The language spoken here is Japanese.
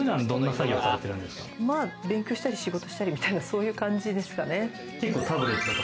まぁ勉強したり仕事したりみたいな、そういう感じですかね。